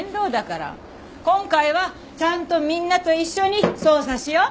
今回はちゃんとみんなと一緒に捜査しよう。